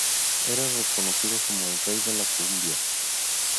Era reconocido como "El rey de la cumbia".